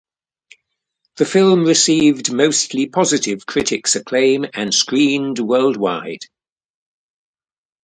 The film received mostly positive critics acclaim and screened worldwide.